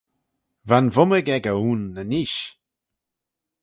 Va'n vummig echey ayn ny-neesht.